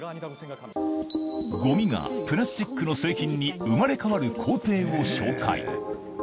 ごみがプラスチックの製品に生まれ変わる工程を紹介。